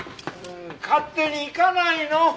勝手に行かないの！